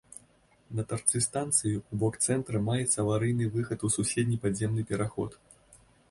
На тарцы станцыі ў бок цэнтра маецца аварыйны выхад у суседні падземны пераход.